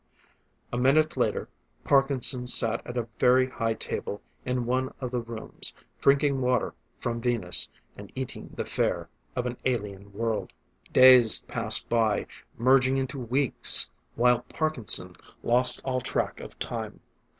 A minute later Parkinson sat at a very high table in one of the rooms, drinking water from Venus, and eating the fare of an alien world. Days passed by, merging into weeks, while Parkinson lost all track of time.